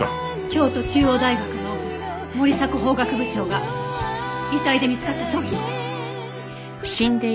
京都中央大学の森迫法学部長が遺体で見つかったそうよ。